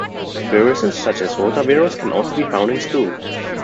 Viruses such as rotavirus can also be found in stools.